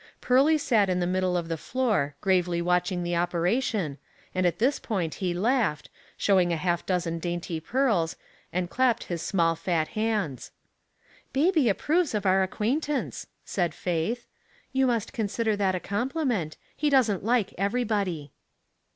Pearly sat in the middle of the floor, gravely watching the operation, and at this point he laughed, showing half a dozen dainty pearls, and clapped his small fat hands. *•• Baby approves of our acquaintance," said Faith. " You must consider that a compliment ; he doesn't like everybody."